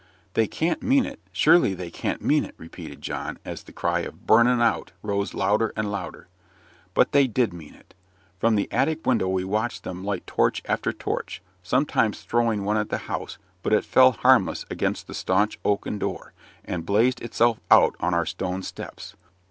"They can't mean it surely they can't mean it," repeated John, as the cry of "Burn 'un out!" rose louder and louder. But they did mean it. From the attic window we watched them light torch after torch, sometimes throwing one at the house, but it fell harmless against the staunch oaken door, and blazed itself out on our stone steps.